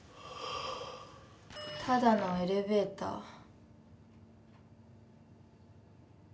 ただのエレベーター。